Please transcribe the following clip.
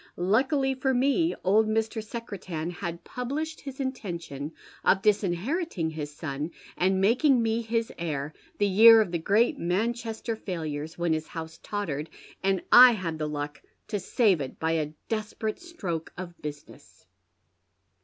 Luckily for me, old Mr. Secretan had published his intention of disinheriting his son, and making me his heir, the year of the great Manchester failures, when his house tottered, and I had the luck to save it by a desperate stroke of business."